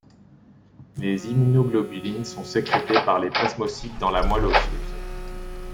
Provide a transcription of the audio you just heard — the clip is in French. Les immunoglobulines sont sécrétées par les plasmocytes dans la moelle osseuse.